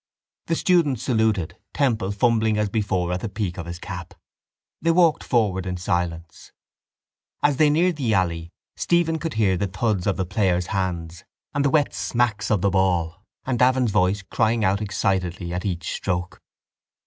The students saluted, Temple fumbling as before at the peak of his cap. They walked forward in silence. As they neared the alley Stephen could hear the thuds of the players' hands and the wet smacks of the ball and Davin's voice crying out excitedly at each stroke.